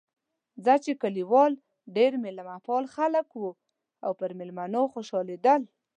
ځکه چې کلیوال ډېر مېلمه پال خلک و او پر مېلمنو خوشحالېدل.